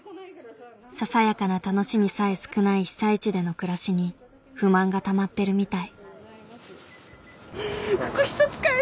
ささやかな楽しみさえ少ない被災地での暮らしに不満がたまってるみたい。